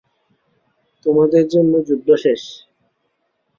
তোমাদের জন্য, যুদ্ধ শেষ।